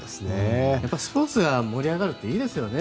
スポーツが盛り上がるっていいですよね。